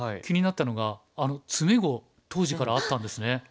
気になったのが詰碁当時からあったんですね。